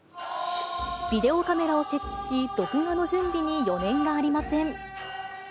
ビデオカメラを設置し、録画の準備に余念がありません。